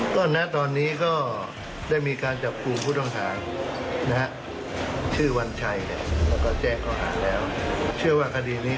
ก็นั้นตอนนี้ก็ได้มีการจับหลวงผู้ต้องทางนะฮะชื่อวันชัยบ้างแล้วเจ้าขอหาแล้วเชื่อว่าการไปได้